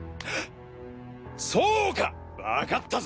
そうかわかったぞ！